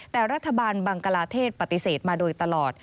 แต่รัฐบาลบังกลาเทศปฏิเสธมาโดยตลอด